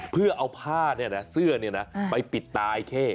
เพื่อเอาผ้าเสื้อไปปิดตายเข้